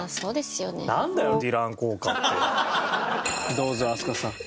どうぞ飛鳥さん。